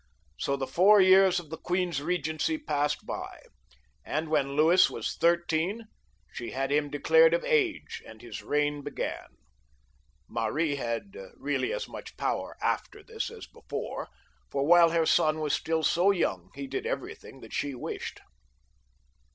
So the four years of the queen's regency passed by, and when Louis was thirteen, she had him declared to be of age, and his own reign began. Mary had really as much power after this as before, for while her son was still so young, he did everything that she wished.